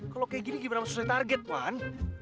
kalo kayak gini gimana susah target wan